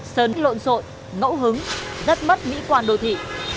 sơn lộn sội ngẫu hứng rớt mất mỹ quan đồ thị